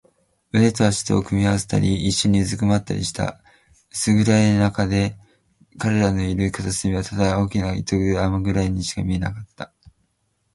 腕と脚とを組み合わせたり、いっしょにうずくまったりした。薄暗がりのなかで、彼らのいる片隅はただ大きな糸玉ぐらいにしか見えなかった。